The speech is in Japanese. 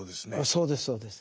そうですそうです。